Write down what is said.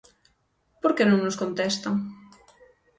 ¿Por que non nos contestan?